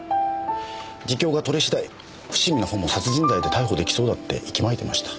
自供が取れ次第伏見の方も殺人罪で逮捕出来そうだって息巻いてました。